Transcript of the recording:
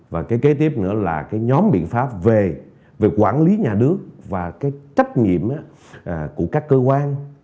và cái kế tiếp nữa là cái nhóm biện pháp về quản lý nhà nước và cái trách nhiệm của các cơ quan